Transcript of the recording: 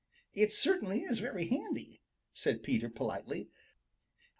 ] "It certainly is very handy," said Peter politely.